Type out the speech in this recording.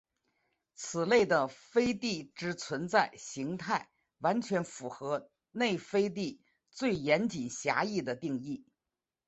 此类的飞地之存在型态完全符合内飞地最严谨狭义的定义。